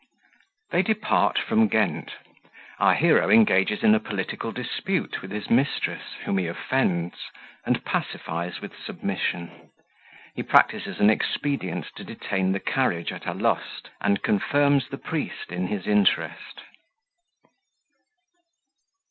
They depart from Ghent Our Hero engages in a Political Dispute with his Mistress, whom he offends, and pacifies with Submission He practises an Expedient to detain the Carriage at Alost, and confirms the Priest in his Interest.